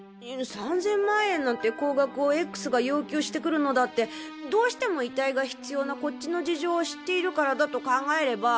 ３千万円なんて高額をＸが要求してくるのだってどうしても遺体が必要なこっちの事情を知っているからだと考えれば。